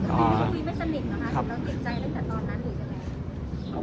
คุยไม่สนิทหรอครับ